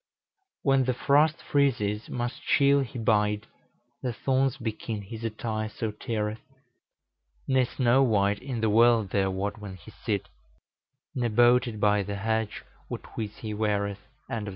... "When the frost freezes must chill he bide, The thorns be keen his attire so teareth, Nis no wight in the world there wot when he syt, Ne bote it by the hedge what weeds he weareth."